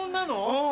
うん。